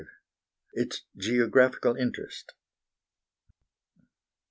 Its Geographical Interest.